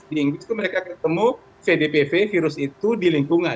di inggris itu mereka ketemu vdpv virus itu di lingkungan